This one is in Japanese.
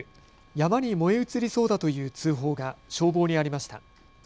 山に燃え移りそうだという通報が消防にありました。